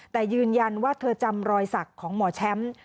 แต่ยืนยันว่าเธอจำรอยสักของหมอแชมป์